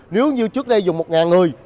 nếu như trước đây dùng một người